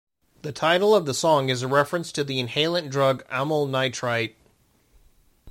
The title of the song is a reference to the inhalant drug amyl nitrite.